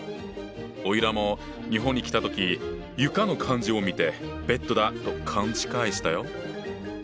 おいらも日本に来た時「床」の漢字を見てベッドだと勘違いしたよ。